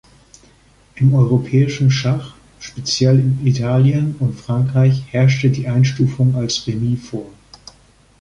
Im europäischen Schach, speziell in Italien und Frankreich, herrschte die Einstufung als Remis vor.